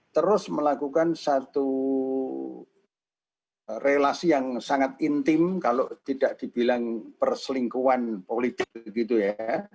terus melakukan satu relasi yang sangat intim kalau tidak dibilang perselingkuhan politik gitu ya